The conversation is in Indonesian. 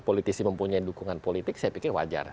politisi mempunyai dukungan politik saya pikir wajar